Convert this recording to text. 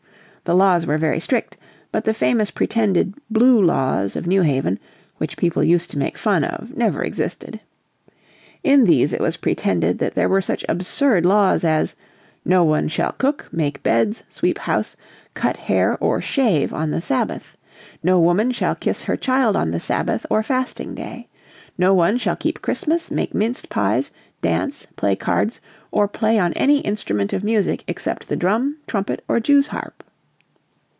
The laws were very strict, but the famous pretended "Blue Laws" of New Haven, which people used to make fun of, never existed. In these it was pretended that there were such absurd laws as, "No one shall cook, make beds, sweep house, cut hair or shave on the Sabbath. No woman shall kiss her child on the Sabbath or fasting day. No one shall keep Christmas, make minced pies, dance, play cards or play on any instrument of music except the drum, trumpet or jew's harp."